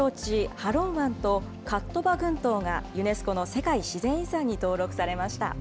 ハロン湾とカットバ群島がユネスコの世界自然遺産に登録されました。